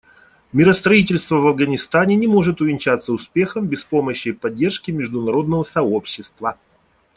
Миростроительство в Афганистане не может увенчаться успехом без помощи и поддержки международного сообщества.